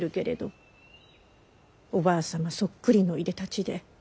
おばあ様そっくりのいでたちで。